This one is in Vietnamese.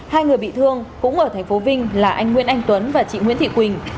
hai người bị thương cũng ở tp vinh là anh nguyễn anh tuấn và chị nguyễn thị quỳnh